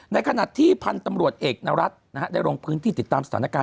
ในขณะที่พันธุ์ตำรวจเอกนรัฐได้ลงพื้นที่ติดตามสถานการณ์